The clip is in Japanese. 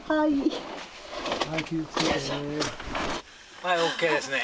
はいＯＫですね。